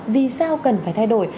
vì sao cần phải thay đổi